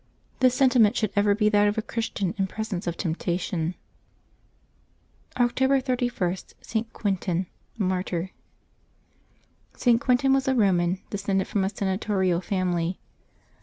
This sentiment should ever be that of a Christian in pres ence of temptation. October 31.— ST. QUINTIN, Martyr. [T. QuiNTiN" was a Roman, descended from a senatorial family.